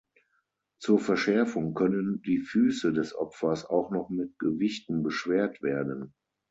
Zur Verschärfung können die Füße des Opfers auch noch mit Gewichten beschwert werden.